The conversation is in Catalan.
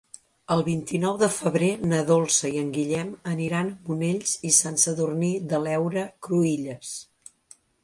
El vint-i-nou de febrer na Dolça i en Guillem aniran a Monells i Sant Sadurní de l'Heura Cruïlles.